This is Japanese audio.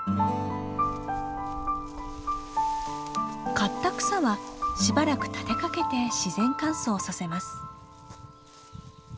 刈った草はしばらく立てかけて自然乾燥させます。